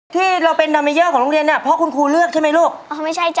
ที่เราเป็นดาเมเยอร์ของโรงเรียนอ่ะเพราะคุณครูเลือกใช่ไหมลูกอ๋อไม่ใช่จ้